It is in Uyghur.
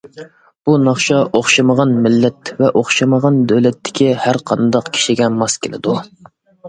بۇ ناخشا ئوخشىمىغان مىللەت ۋە ئوخشىمىغان دۆلەتتىكى ھەر قانداق كىشىگە ماس كېلىدۇ.